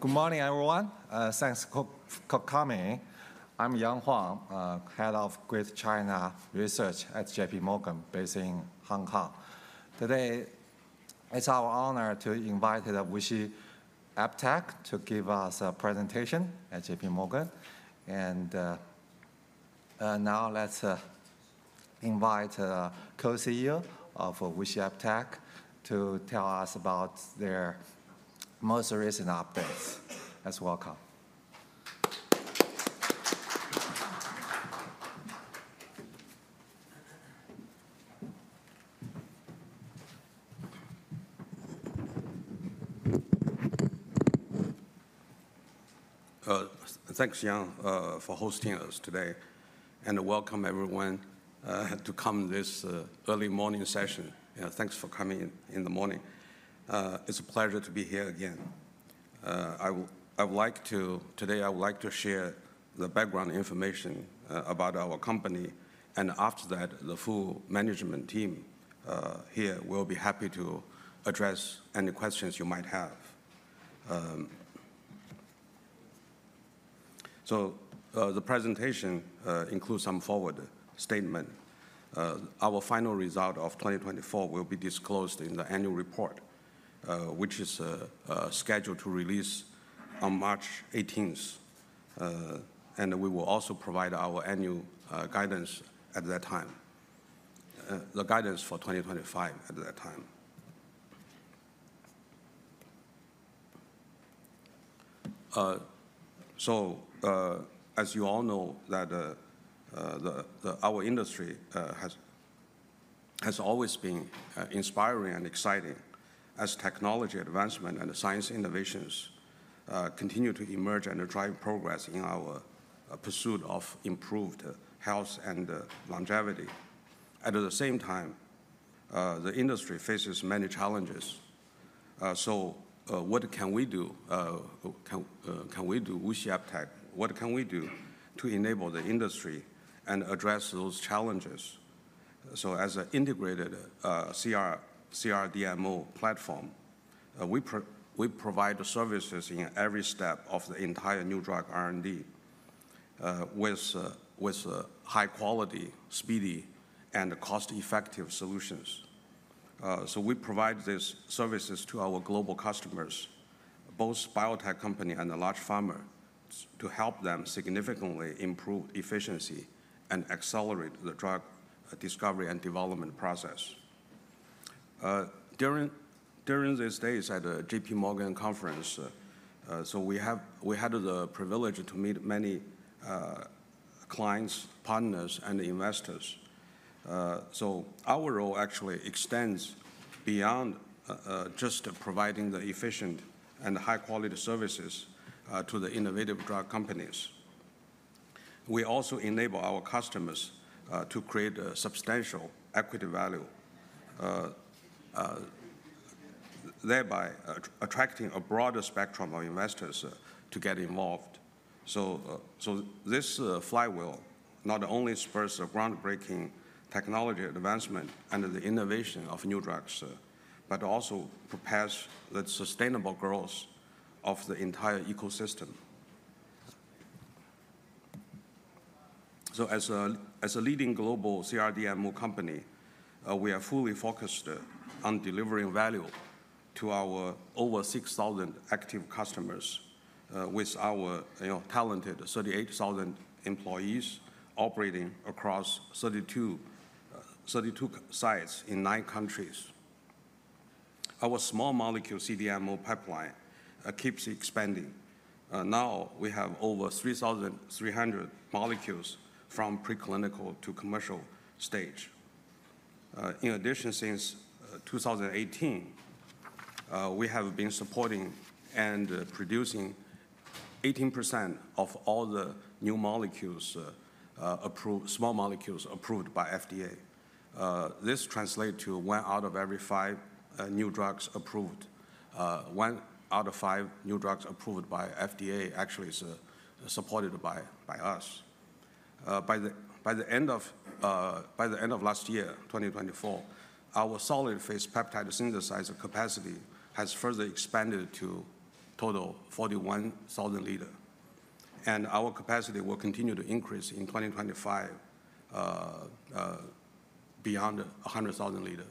Good morning, everyone. Thanks for coming. I'm Yang Huang, Head of Greater China Research at J.P. Morgan, based in Hong Kong. Today, it's our honor to invite the team at WuXi AppTec to give us a presentation at J.P. Morgan, and now let's invite the Co-CEO of WuXi AppTec to tell us about their most recent updates. Let's welcome. Thanks, Yang, for hosting us today and welcome, everyone, to this early morning session. Thanks for coming in the morning. It's a pleasure to be here again. I would like to, today, I would like to share the background information about our company. After that, the full management team here will be happy to address any questions you might have. So the presentation includes some forward-looking statements. Our final results for 2024 will be disclosed in the annual report, which is scheduled to release on March 18th and we will also provide our annual guidance at that time, the guidance for 2025 at that time. So as you all know, our industry has always been inspiring and exciting as technology advancement and science innovations continue to emerge and drive progress in our pursuit of improved health and longevity. At the same time, the industry faces many challenges. What can we do? Can we do at WuXi AppTec? What can we do to enable the industry and address those challenges? As an integrated CRDMO platform, we provide services in every step of the entire new drug R&D with high-quality, speedy, and cost-effective solutions. We provide these services to our global customers, both biotech companies and large pharma, to help them significantly improve efficiency and accelerate the drug discovery and development process. During these days at the J.P. Morgan conference, we had the privilege to meet many clients, partners, and investors. Our role actually extends beyond just providing the efficient and high-quality services to the innovative drug companies. We also enable our customers to create substantial equity value, thereby attracting a broader spectrum of investors to get involved. So this flywheel not only spurs a groundbreaking technology advancement and the innovation of new drugs, but also propels the sustainable growth of the entire ecosystem. So as a leading global CRDMO company, we are fully focused on delivering value to our over 6,000 active customers with our talented 38,000 employees operating across 32 sites in nine countries. Our small molecule CDMO pipeline keeps expanding. Now we have over 3,300 molecules from preclinical to commercial stage. In addition, since 2018, we have been supporting and producing 18% of all the new molecules approved, small molecules approved by FDA. This translates to one out of every five new drugs approved. One out of five new drugs approved by FDA actually is supported by us. By the end of last year, 2024, our solid phase peptide synthesizer capacity has further expanded to a total of 41,000 liters. Our capacity will continue to increase in 2025 beyond 100,000 liters.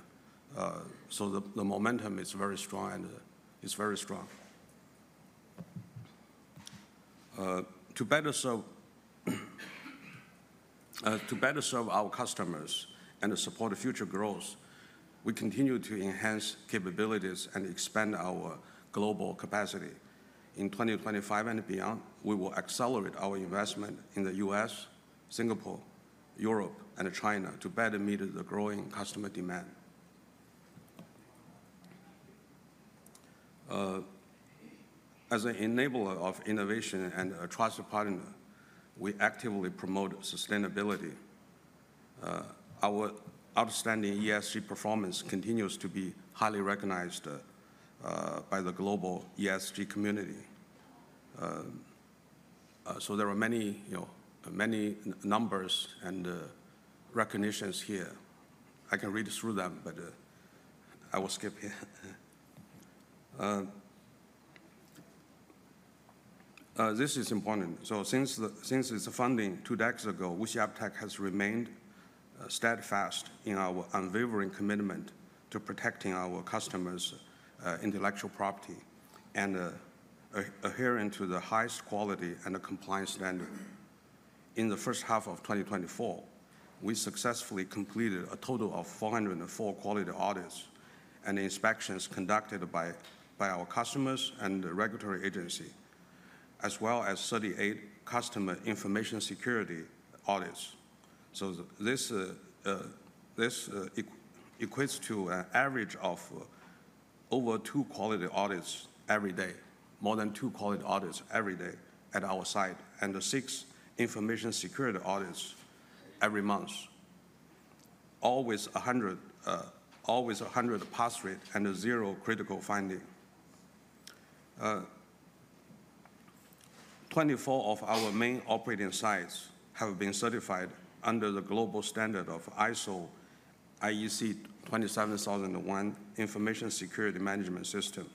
The momentum is very strong and is very strong. To better serve our customers and support future growth, we continue to enhance capabilities and expand our global capacity. In 2025 and beyond, we will accelerate our investment in the U.S., Singapore, Europe, and China to better meet the growing customer demand. As an enabler of innovation and a trusted partner, we actively promote sustainability. Our outstanding ESG performance continues to be highly recognized by the global ESG community. There are many numbers and recognitions here. I can read through them, but I will skip here. This is important. Since its founding two decades ago, WuXi AppTec has remained steadfast in our unwavering commitment to protecting our customers' intellectual property and adhering to the highest quality and compliance standards. In the first half of 2024, we successfully completed a total of 404 quality audits and inspections conducted by our customers and the regulatory agency, as well as 38 customer information security audits. So this equates to an average of over two quality audits every day, more than two quality audits every day at our site, and six information security audits every month, always 100% pass rate and zero critical finding. 24 of our main operating sites have been certified under the global standard of ISO/IEC 27001 Information Security Management System.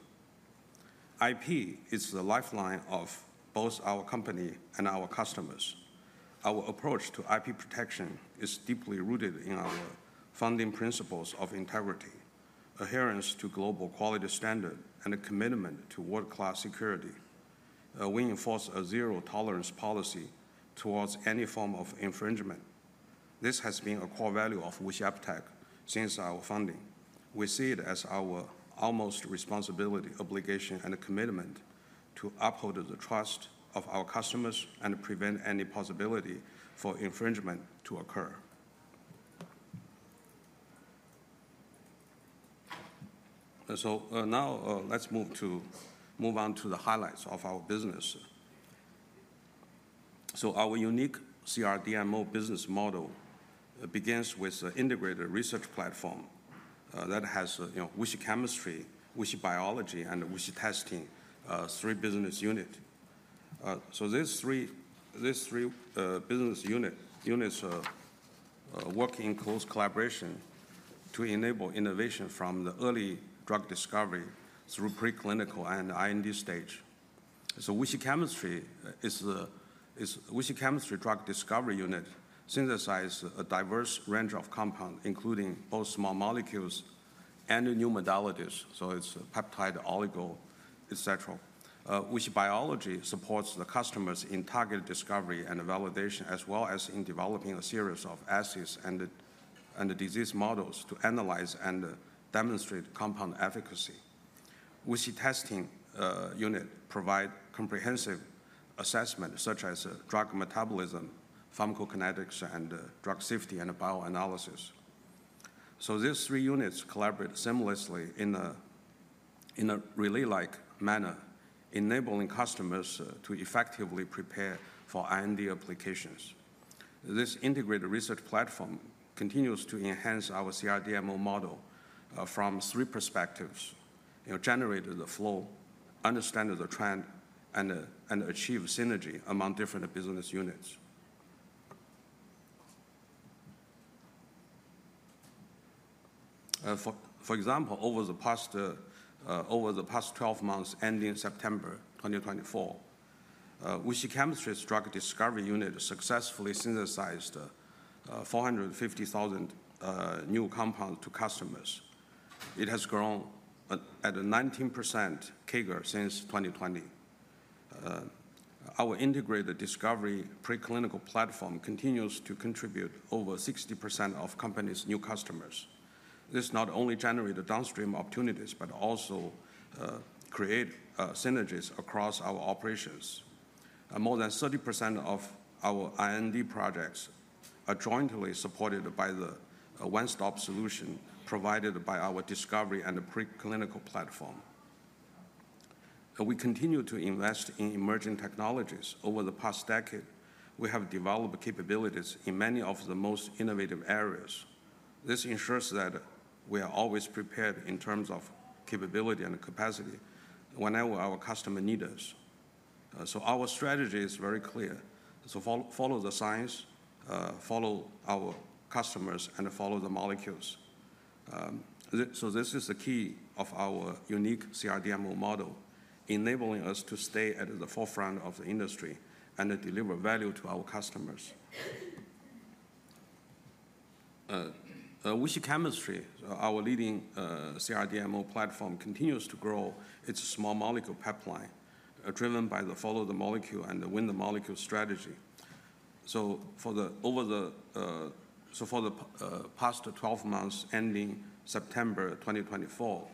IP is the lifeline of both our company and our customers. Our approach to IP protection is deeply rooted in our founding principles of integrity, adherence to global quality standards, and a commitment to world-class security. We enforce a zero-tolerance policy towards any form of infringement. This has been a core value of WuXi AppTec since our founding. We see it as our utmost responsibility, obligation, and commitment to uphold the trust of our customers and prevent any possibility for infringement to occur. So now let's move on to the highlights of our business. So our unique CRDMO business model begins with an integrated research platform that has WuXi Chemistry, WuXi Biology, and WuXi Testing, three business units. So these three business units work in close collaboration to enable innovation from the early drug discovery through preclinical and IND stage. So WuXi Chemistry drug discovery unit synthesizes a diverse range of compounds, including both small molecules and new modalities, so it's peptide oligo, et cetera. WuXi Biology supports the customers in targeted discovery and validation, as well as in developing a series of assays and disease models to analyze and demonstrate compound efficacy. WuXi Testing unit provides comprehensive assessments, such as drug metabolism, pharmacokinetics, and drug safety and bioanalysis. So these three units collaborate seamlessly in a relay-like manner, enabling customers to effectively prepare for IND applications. This integrated research platform continues to enhance our CRDMO model from three perspectives: generate the flow, understand the trend, and achieve synergy among different business units. For example, over the past 12 months, ending September 2024, WuXi Chemistry's drug discovery unit successfully synthesized 450,000 new compounds to customers. It has grown at a 19% CAGR since 2020. Our integrated discovery preclinical platform continues to contribute over 60% of companies' new customers. This not only generates downstream opportunities, but also creates synergies across our operations. More than 30% of our IND projects are jointly supported by the one-stop solution provided by our discovery and preclinical platform. We continue to invest in emerging technologies. Over the past decade, we have developed capabilities in many of the most innovative areas. This ensures that we are always prepared in terms of capability and capacity whenever our customer needs us. So our strategy is very clear. So follow the science, follow our customers, and follow the molecules. So this is the key of our unique CRDMO model, enabling us to stay at the forefront of the industry and deliver value to our customers. WuXi Chemistry, our leading CRDMO platform, continues to grow its small molecule pipeline, driven by the follow-the-molecule and the win-the-molecule strategy. So for the past 12 months, ending September 2024,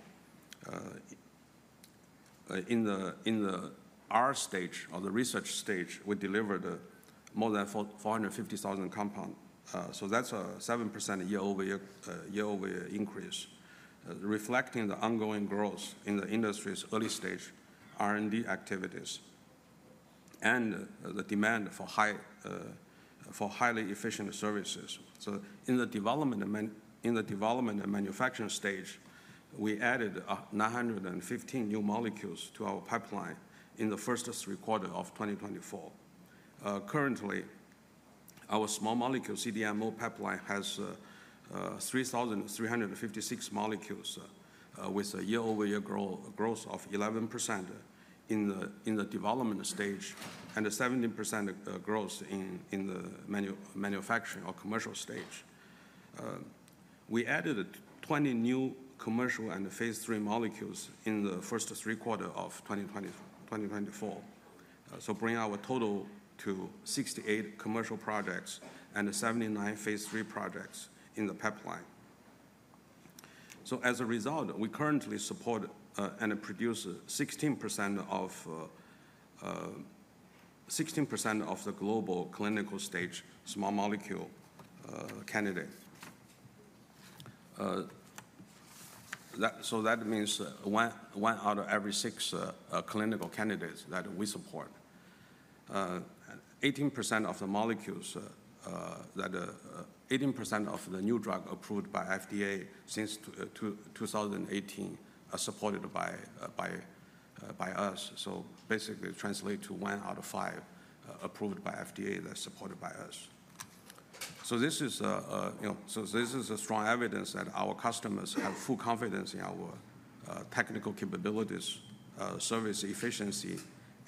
in the R stage or the research stage, we delivered more than 450,000 compounds. So that's a 7% year-over-year increase, reflecting the ongoing growth in the industry's early-stage R&D activities and the demand for highly efficient services. So in the development and manufacturing stage, we added 915 new molecules to our pipeline in the first three quarters of 2024. Currently, our small molecule CDMO pipeline has 3,356 molecules with a year-over-year growth of 11% in the development stage and a 17% growth in the manufacturing or commercial stage. We added 20 new commercial and Phase III molecules in the first three quarters of 2024. So bring our total to 68 commercial projects and 79 Phase III projects in the pipeline. So as a result, we currently support and produce 16% of the global clinical stage small molecule candidates. So that means one out of every six clinical candidates that we support. 18% of the molecules, 18% of the new drug approved by FDA since 2018, are supported by us. So basically translates to one out of five approved by FDA that's supported by us. So this is strong evidence that our customers have full confidence in our technical capabilities, service efficiency,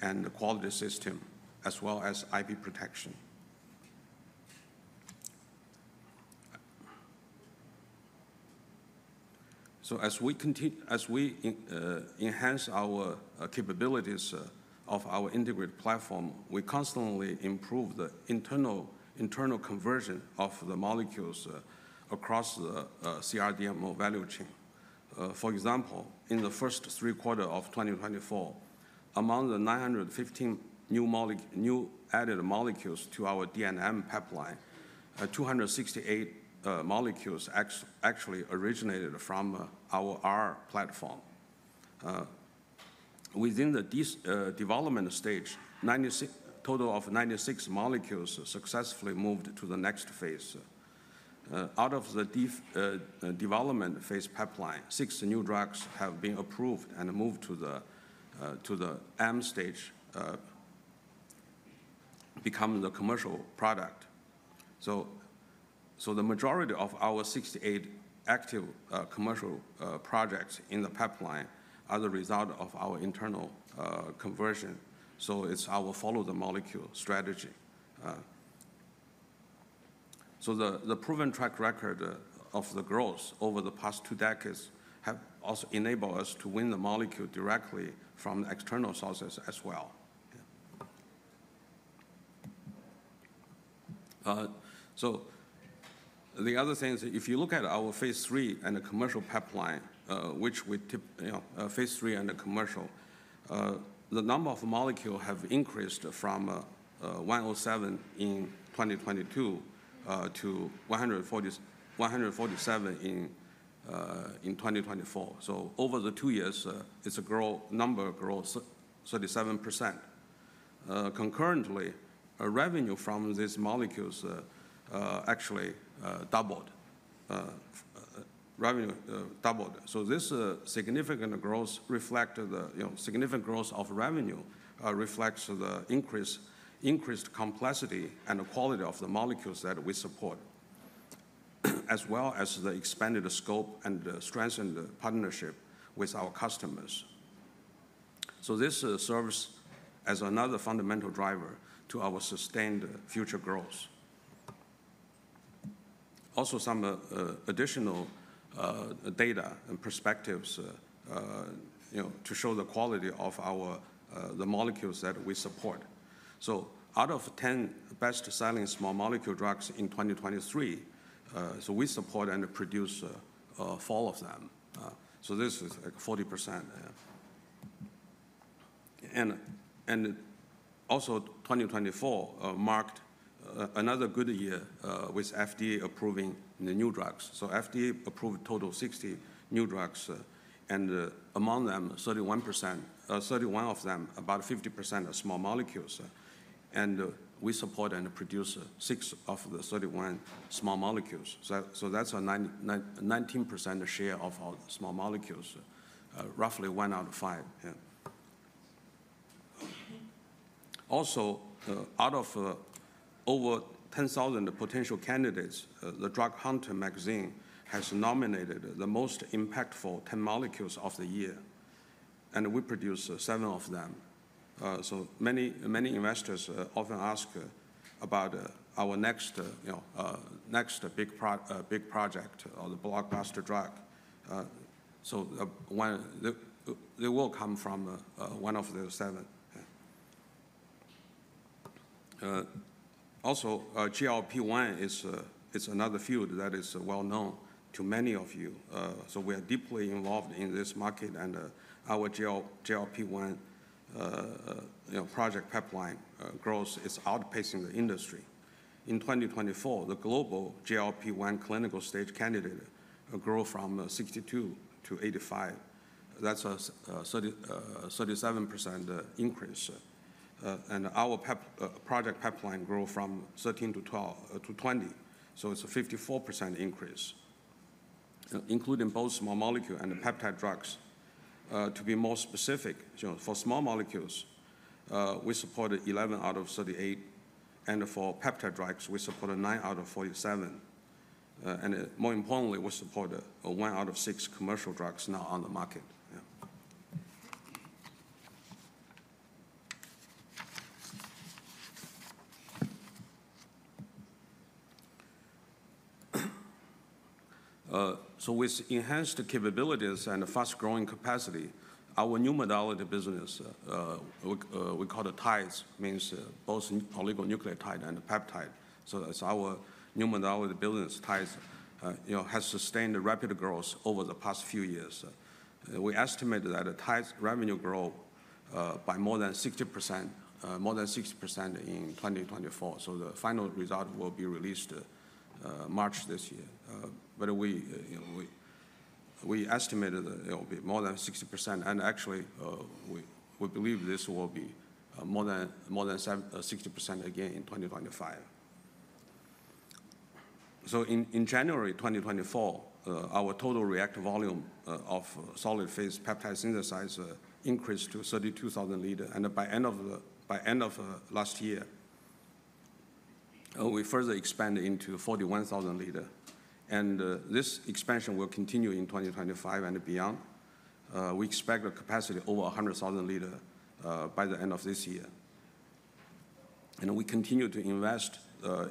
and quality system, as well as IP protection. So as we enhance our capabilities of our integrated platform, we constantly improve the internal conversion of the molecules across the CRDMO value chain. For example, in the first three quarters of 2024, among the 915 new added molecules to our D&M pipeline, 268 molecules actually originated from our R platform. Within the development stage, a total of 96 molecules successfully moved to the next phase. Out of the development phase pipeline, six new drugs have been approved and moved to the M stage, becoming the commercial product. So the majority of our 68 active commercial projects in the pipeline are the result of our internal conversion. So it's our follow-the-molecule strategy. The proven track record of the growth over the past two decades has also enabled us to win the molecule directly from external sources as well. The other thing is, if you look at our Phase III and the commercial pipeline, which we have in Phase III and the commercial, the number of molecules has increased from 107 in 2022-147 in 2024. Over the two years, it's 37% growth. Concurrently, revenue from these molecules actually doubled. This significant growth reflects the significant growth of revenue, reflects the increased complexity and quality of the molecules that we support, as well as the expanded scope and strengthened partnership with our customers. This serves as another fundamental driver to our sustained future growth. Also, some additional data and perspectives to show the quality of the molecules that we support. Out of 10 best-selling small molecule drugs in 2023, we support and produce four of them. This is 40%. 2024 marked another good year with FDA approving the new drugs. FDA approved a total of 60 new drugs, and among them, 31 of them, about 50% are small molecules. We support and produce six of the 31 small molecules. That's a 19% share of our small molecules, roughly one out of five. Out of over 10,000 potential candidates, the Drug Hunter Magazine has nominated the most impactful 10 molecules of the year. We produced seven of them. Many investors often ask about our next big project or the blockbuster drug. They will come from one of the seven. GLP-1 is another field that is well-known to many of you. We are deeply involved in this market, and our GLP-1 project pipeline growth is outpacing the industry. In 2024, the global GLP-1 clinical stage candidate grew from 62-85. That's a 37% increase, and our project pipeline grew from 13-20. So it's a 54% increase, including both small molecules and peptide drugs. To be more specific, for small molecules, we supported 11 out of 38 and for peptide drugs, we supported 9 out of 47. More importantly, we supported one out of six commercial drugs now on the market. So with enhanced capabilities and fast-growing capacity, our new modality business, we call it TIDES, means both oligonucleotide and peptide. So that's our new modality business, TIDES, has sustained rapid growth over the past few years. We estimate that TIDES' revenue grow by more than 60% in 2024. The final result will be released March this year. We estimated it will be more than 60%. Actually, we believe this will be more than 60% again in 2025. In January 2024, our total reactor volume of solid phase peptide synthesizer increased to 32,000 liters. By end of last year, we further expanded into 41,000 liters. This expansion will continue in 2025 and beyond. We expect a capacity of over 100,000 liters by the end of this year. We continue to invest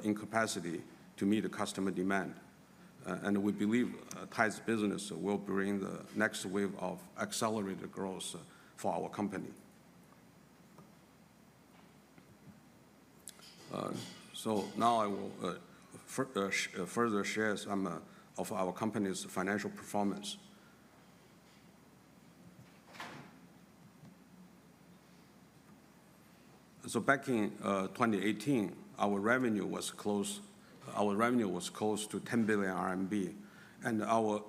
in capacity to meet customer demand. We believe TIDES' business will bring the next wave of accelerated growth for our company. Now I will further share some of our company's financial performance. Back in 2018, our revenue was close to 10 billion renminbi. Our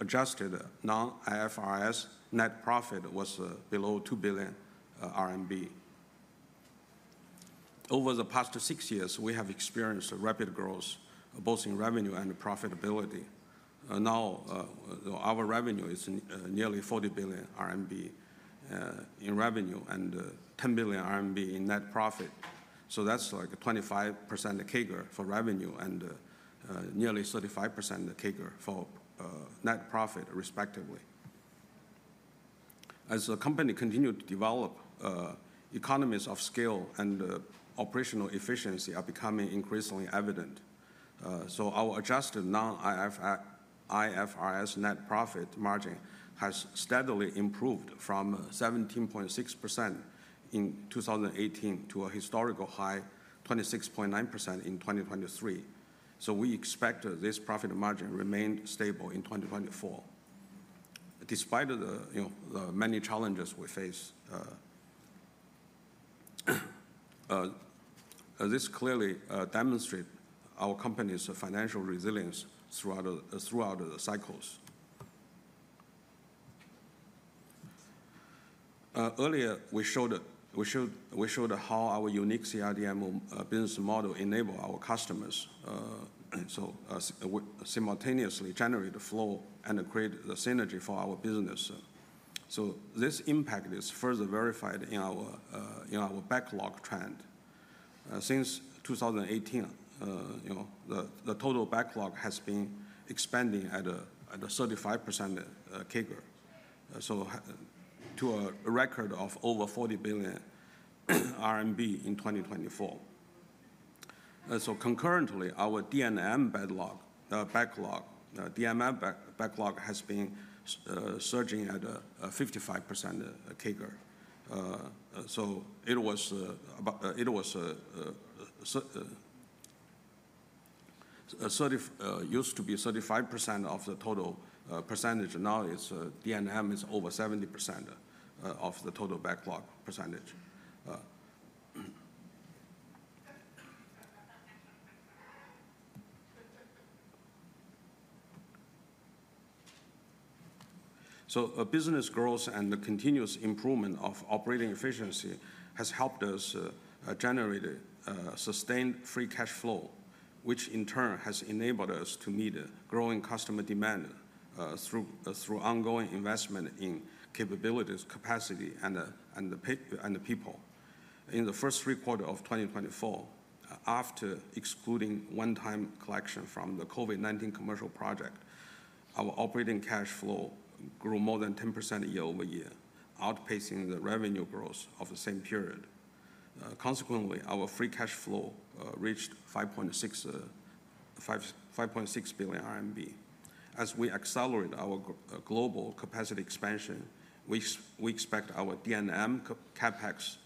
adjusted non-IFRS net profit was below 2 billion renminbi. Over the past six years, we have experienced rapid growth, both in revenue and profitability. Now, our revenue is nearly 40 billion renminbi in revenue and 10 billion renminbi in net profit. So that's like 25% of CAGR for revenue and nearly 35% of CAGR for net profit, respectively. As the company continued to develop, economies of scale and operational efficiency are becoming increasingly evident. So our adjusted non-IFRS net profit margin has steadily improved from 17.6% in 2018 to a historical high, 26.9% in 2023. So we expect this profit margin to remain stable in 2024, despite the many challenges we face. This clearly demonstrates our company's financial resilience throughout the cycles. Earlier, we showed how our unique CRDMO business model enables our customers to simultaneously generate the flow and create the synergy for our business. So this impact is further verified in our backlog trend. Since 2018, the total backlog has been expanding at a 35% CAGR to a record of over 40 billion renminbi in 2024. So concurrently, our D&M backlog has been surging at a 55% CAGR. So it was used to be 35% of the total percentage. Now, D&M is over 70% of the total backlog percentage. So business growth and the continuous improvement of operating efficiency has helped us generate a sustained free cash flow, which in turn has enabled us to meet growing customer demand through ongoing investment in capabilities, capacity, and the people. In the first three quarters of 2024, after excluding one-time collection from the COVID-19 commercial project, our operating cash flow grew more than 10% year-over-year, outpacing the revenue growth of the same period. Consequently, our free cash flow reached 5.6 billion renminbi. As we accelerate our global capacity expansion, we expect our D&M CapEx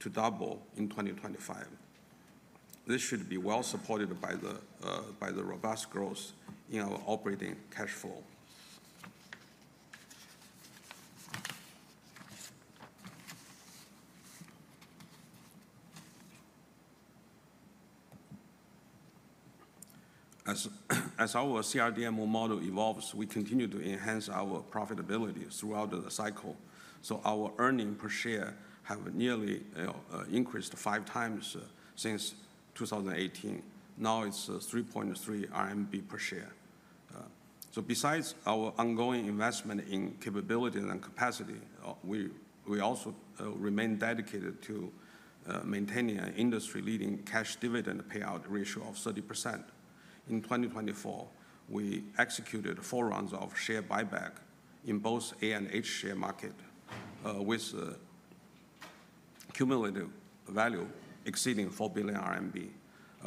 to double in 2025. This should be well supported by the robust growth in our operating cash flow. As our CRDMO model evolves, we continue to enhance our profitability throughout the cycle. So our earnings per share have nearly increased five times since 2018. Now, it's 3.3 renminbi per share. So besides our ongoing investment in capabilities and capacity, we also remain dedicated to maintaining an industry-leading cash dividend payout ratio of 30%. In 2024, we executed four rounds of share buyback in both A and H share market, with cumulative value exceeding 4 billion renminbi.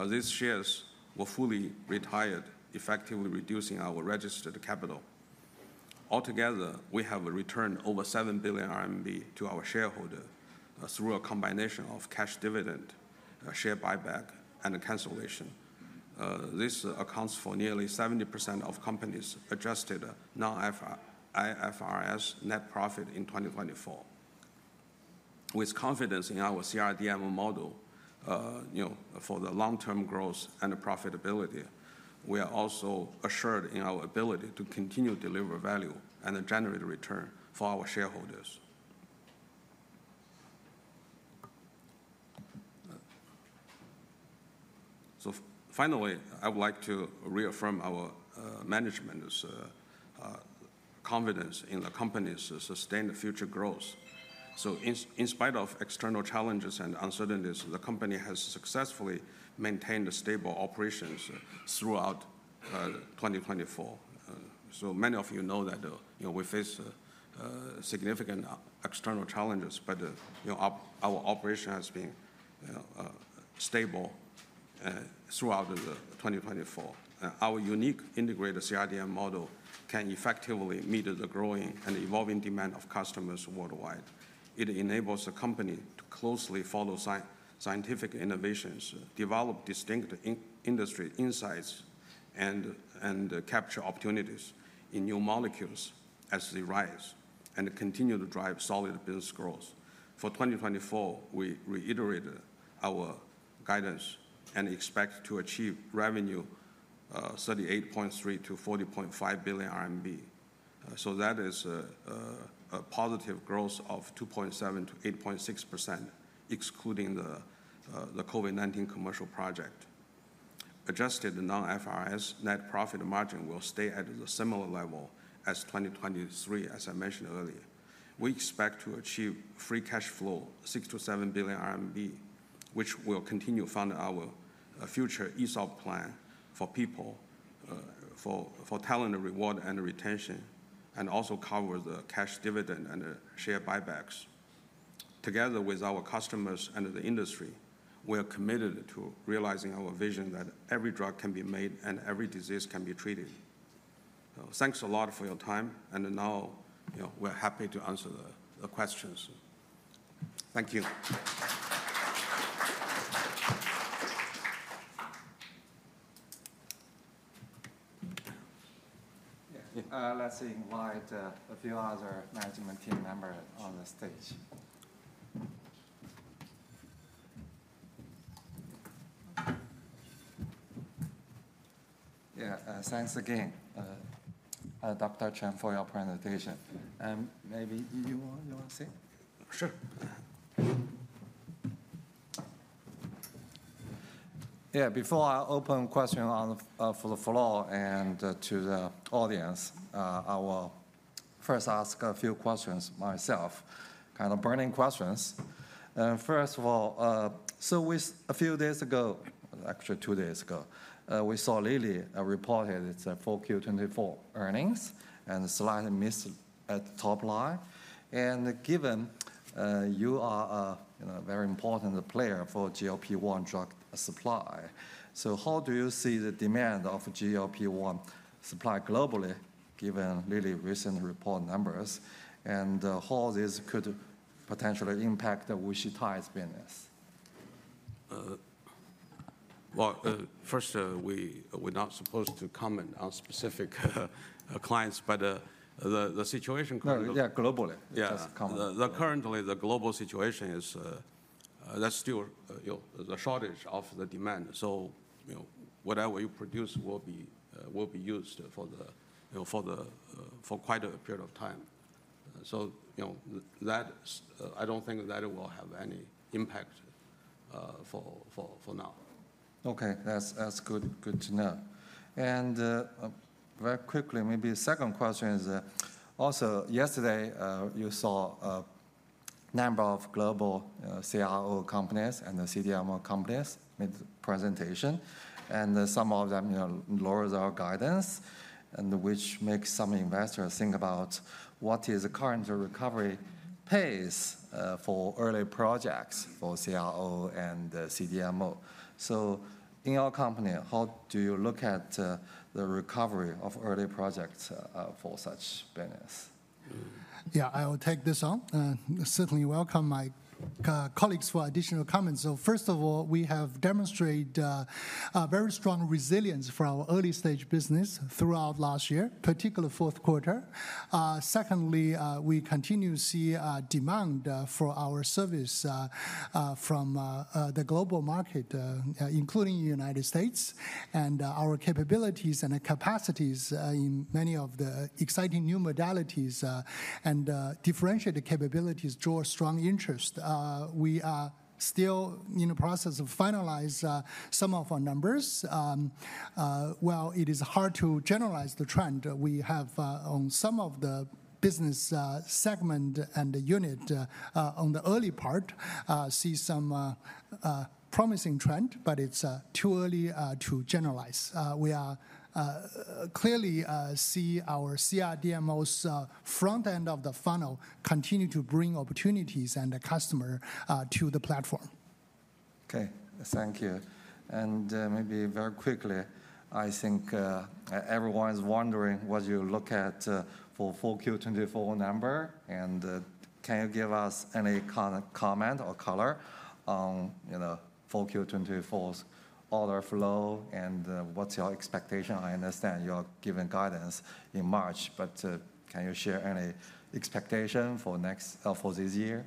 These shares were fully retired, effectively reducing our registered capital. Altogether, we have returned over 7 billion renminbi to our shareholders through a combination of cash dividend, share buyback, and cancellation. This accounts for nearly 70% of companies' adjusted non-IFRS net profit in 2024. With confidence in our CRDMO model for the long-term growth and profitability, we are also assured in our ability to continue to deliver value and generate return for our shareholders. Finally, I would like to reaffirm our management's confidence in the company's sustained future growth. In spite of external challenges and uncertainties, the company has successfully maintained stable operations throughout 2024. Many of you know that we face significant external challenges, but our operation has been stable throughout 2024. Our unique integrated CRDM model can effectively meet the growing and evolving demand of customers worldwide. It enables the company to closely follow scientific innovations, develop distinct industry insights, and capture opportunities in new molecules as they rise and continue to drive solid business growth. For 2024, we reiterated our guidance and expect to achieve revenue 38.3 billion renminbi-CNY 40.5 billion renminbi. So that is a positive growth of 2.7%-8.6%, excluding the COVID-19 commercial project. Adjusted non-IFRS net profit margin will stay at the similar level as 2023, as I mentioned earlier. We expect to achieve free cash flow 6 billion renminbi-CNY 7 billion renminbi, which will continue funding our future ESOP plan for people, for talent reward and retention, and also cover the cash dividend and share buybacks. Together with our customers and the industry, we are committed to realizing our vision that every drug can be made and every disease can be treated. Thanks a lot for your time, and now, we're happy to answer the questions. Thank you. Yeah. Let's invite a few other management team members on the stage. Yeah. Thanks again, Dr. Chen, for your presentation. Maybe you want to say? Sure. Yeah. Before I open questions on the floor and to the audience, I will first ask a few questions myself, kind of burning questions. First of all, so a few days ago, actually two days ago, we saw Lilly reported its 4Q 2024 earnings and slight miss at the top line and given you are a very important player for GLP-1 drug supply, so how do you see the demand of GLP-1 supply globally, given Lilly's recent report numbers, and how this could potentially impact WuXi TIDES' business? Well, first, we're not supposed to comment on specific clients, but the situation globally, yeah, globally. Yeah. Currently, the global situation is that's still the shortage of the demand. So whatever you produce will be used for quite a period of time. So I don't think that it will have any impact for now. Okay. That's good to know, and very quickly, maybe the second question is also yesterday you saw a number of global CRO companies and CDMO companies make presentations. Some of them lowered their guidance, which makes some investors think about what is the current recovery pace for early projects for CRO and CDMO. In your company, how do you look at the recovery of early projects for such business? Yeah. I'll take this on. I certainly welcome my colleagues for additional comments. First of all, we have demonstrated very strong resilience for our early-stage business throughout last year, particularly fourth quarter. Second, we continue to see demand for our service from the global market, including the United States. Our capabilities and capacities in many of the exciting new modalities and differentiated capabilities draw strong interest. We are still in the process of finalizing some of our numbers. While it is hard to generalize the trend we have on some of the business segment and unit on the early part, see some promising trend, but it's too early to generalize. We clearly see our CRDMO's front end of the funnel continue to bring opportunities and customers to the platform. Okay. Thank you. Maybe very quickly, I think everyone's wondering what you look at for 4Q 2024 number, and can you give us any comment or color on 4Q 2024's order flow and what's your expectation? I understand you're giving guidance in March, but can you share any expectation for this year?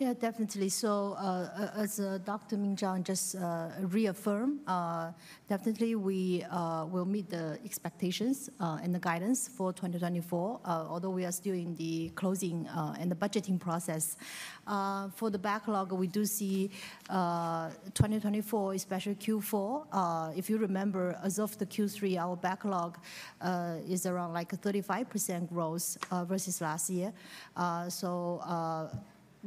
Yeah, definitely. So as Dr. Minzhang Chen just reaffirmed, definitely we will meet the expectations and the guidance for 2024, although we are still in the closing and the budgeting process. For the backlog, we do see 2024, especially Q4. If you remember, as of the Q3, our backlog is around like 35% growth versus last year. So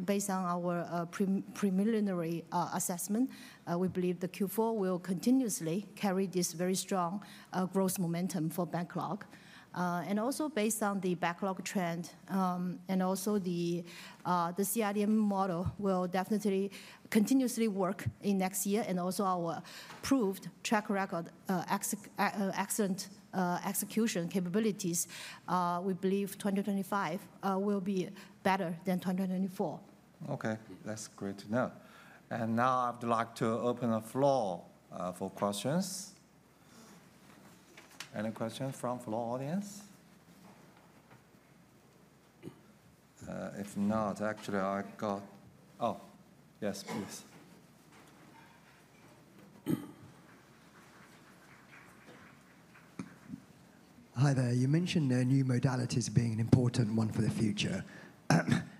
based on our preliminary assessment, we believe the Q4 will continuously carry this very strong growth momentum for backlog. Also based on the backlog trend and also the CRDMO model, we'll definitely continuously work in next year. Also our proved track record, excellent execution capabilities, we believe 2025 will be better than 2024. Okay. That's great to know. Now I'd like to open the floor for questions. Any questions from the floor audience? If not, actually, I got, oh, yes, please. Hi there. You mentioned new modalities being an important one for the future.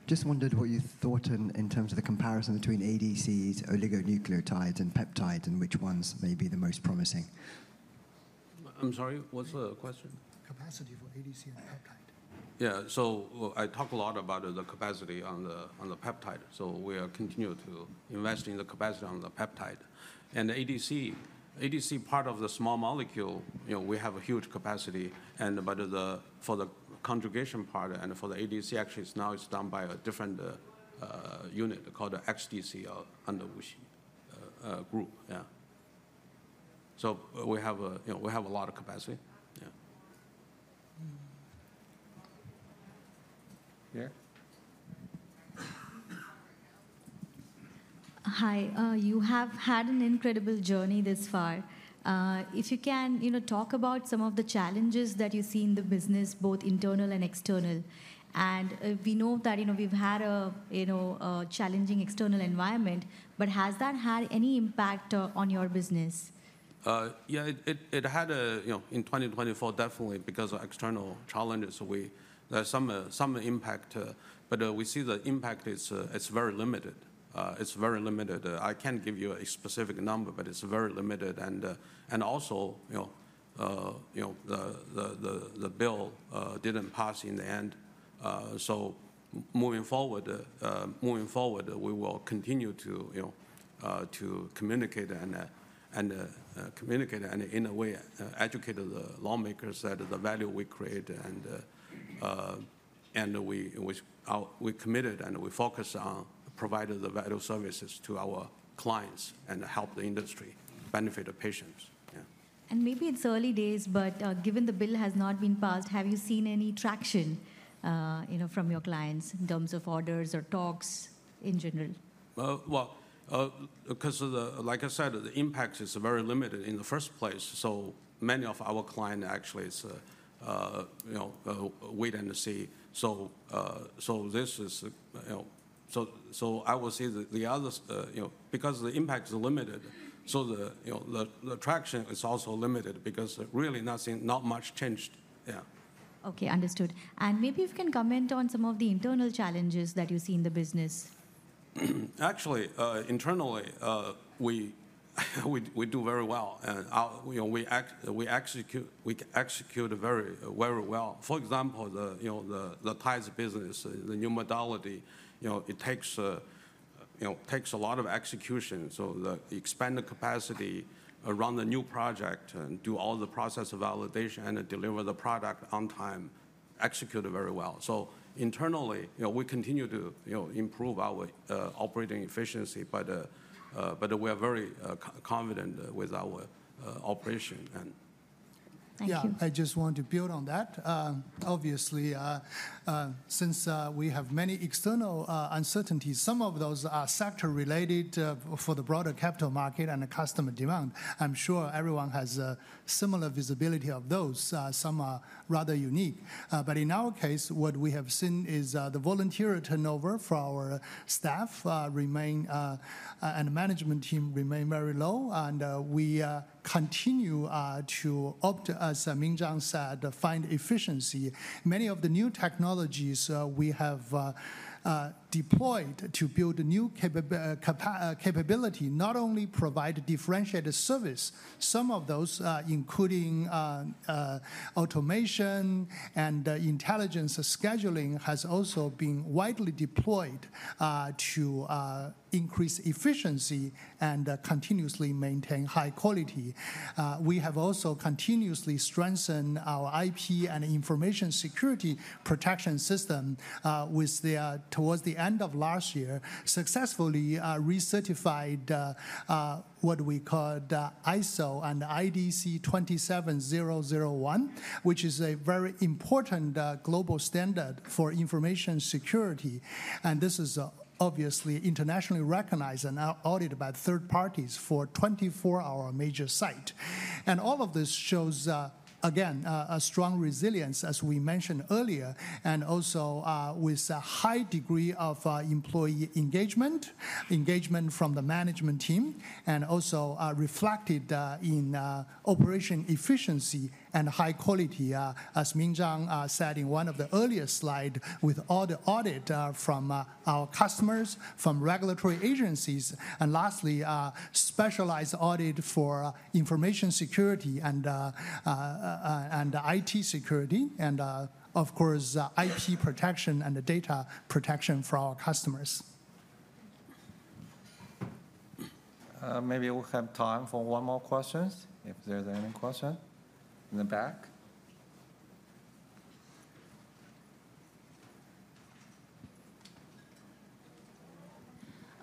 Just wondered what you thought in terms of the comparison between ADCs, oligonucleotides, and peptides, and which ones may be the most promising. I'm sorry. What's the question? Capacity for ADC and peptide. Yeah. So I talked a lot about the capacity on the peptide. So we are continuing to invest in the capacity on the peptide. The ADC part of the small molecule, we have a huge capacity. And for the conjugation part and for the ADC, actually, now it's done by a different unit called the WuXi XDC under WuXi Group. Yeah. So we have a lot of capacity. Yeah. Hi. You have had an incredible journey thus far. If you can talk about some of the challenges that you see in the business, both internal and external. We know that we've had a challenging external environment, but has that had any impact on your business? Yeah. It had in 2024, definitely because of external challenges. There's some impact, but we see the impact is very limited. It's very limited. I can't give you a specific number, but it's very limited. Also, the bill didn't pass in the end. So moving forward, we will continue to communicate and communicate and in a way educate the lawmakers that the value we create and we committed and we focus on providing the value services to our clients and help the industry benefit the patients. Yeah. Maybe it's early days, but given the bill has not been passed, have you seen any traction from your clients in terms of orders or talks in general? Well, because like I said, the impact is very limited in the first place. So many of our clients, actually, it's wait and see. So I will say the other because the impact is limited, so the traction is also limited because really not much changed. Yeah. Okay. Understood. Maybe you can comment on some of the internal challenges that you see in the business. Actually, internally, we do very well. We execute very well. For example, the TIDES business, the new modality, it takes a lot of execution. So expand the capacity around the new project and do all the process of validation and deliver the product on time. Executed very well. So internally, we continue to improve our operating efficiency, but we are very confident with our operation. Yeah. Thank you. I just want to build on that. Obviously, since we have many external uncertainties, some of those are sector-related for the broader capital market and the customer demand. I'm sure everyone has similar visibility of those. Some are rather unique. But in our case, what we have seen is the voluntary turnover for our staff and management team remain very low. We continue to opt, as Minzhang said, to find efficiency. Many of the new technologies we have deployed to build new capability not only provide differentiated service. Some of those, including automation and intelligence scheduling, has also been widely deployed to increase efficiency and continuously maintain high quality. We have also continuously strengthened our IP and information security protection system towards the end of last year, successfully recertified what we call ISO/IEC 27001, which is a very important global standard for information security. This is obviously internationally recognized and audited by third parties for a 24-hour major site. All of this shows, again, a strong resilience, as we mentioned earlier, and also with a high degree of employee engagement, engagement from the management team, and also reflected in operation efficiency and high quality, as Minzhang said in one of the earlier slides with all the audits from our customers, from regulatory agencies. Lastly, specialized audits for information security and IT security, and of course, IP protection and data protection for our customers. Maybe we'll have time for one more question if there's any question in the back.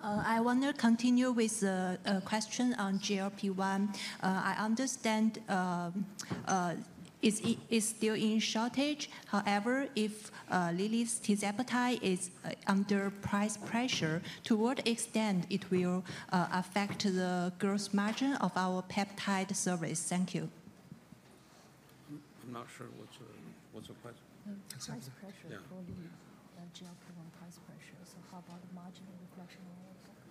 I want to continue with a question on GLP-1. I understand it's still in shortage? However, if Lilly's tirzepatide is under price pressure, to what extent it will affect the gross margin of our peptide service? Thank you. I'm not sure what's the question. Price pressure for Lilly's GLP-1 price pressure. So how about the margin reflection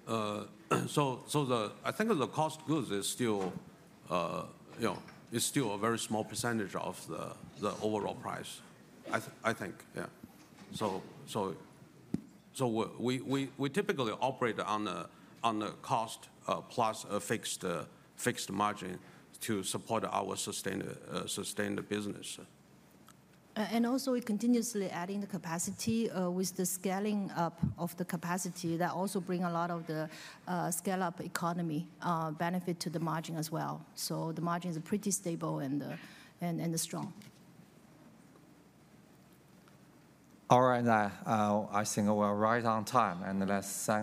on all of that? So I think the cost of goods is still a very small percentage of the overall price, I think. Yeah. So we typically operate on a cost-plus fixed margin to support our sustained business. Also, we're continuously adding the capacity with the scaling up of the capacity. That also brings a lot of the economies of scale benefit to the margin as well. So the margin is pretty stable and strong. All right. I think we're right on time and the last-